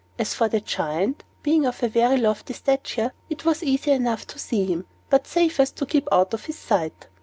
As for the Giant, being of a very lofty stature, it was easy enough to see him, but safest to keep out of his sight.